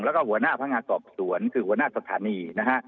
แล้วก็หัวหน้าพนักงานสอบสวนคือหัวหน้าสถานีนะฮะ